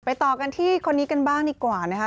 ต่อกันที่คนนี้กันบ้างดีกว่านะคะ